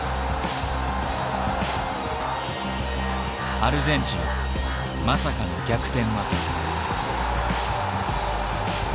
アルゼンチンまさかの逆転負け。